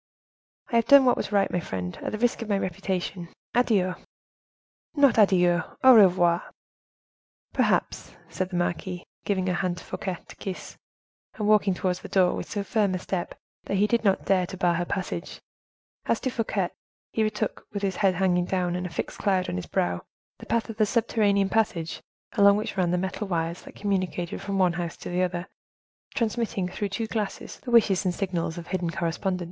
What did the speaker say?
"I have done what was right, my friend, at the risk of my reputation. Adieu!" "Not adieu, au revoir!" "Perhaps," said the marquise, giving her hand to Fouquet to kiss, and walking towards the door with so firm a step, that he did not dare to bar her passage. As to Fouquet, he retook, with his head hanging down and a fixed cloud on his brow, the path of the subterranean passage along which ran the metal wires that communicated from one house to the other, transmitting, through two glasses, the wishes and signals of hidden correspondents.